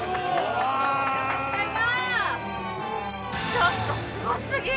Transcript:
ちょっとすごすぎ。